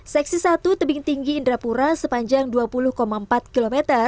seksi satu tebing tinggi indrapura sepanjang dua puluh empat km